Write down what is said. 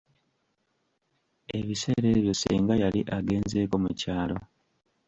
Ebiseera ebyo ssenga yali agenzeeko mu kyalo.